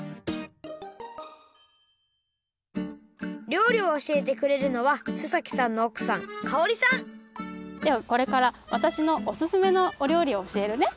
りょうりをおしえてくれるのは須さんのおくさん香織さんではこれからわたしのおすすめのおりょうりをおしえるね。